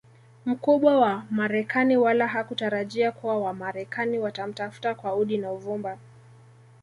mkubwa wa marekani wala hakutarajia kuwa wamarekani watamtafuta kwa udi na uvumba